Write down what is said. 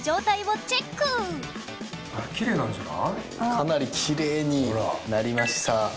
かなりキレイになりました。